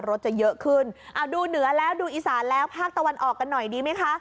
รถจะเยอะขึ้นเอาดูเหนือแล้วดูอีสานแล้วภาคตะวันออกกันหน่อยดีไหมคะ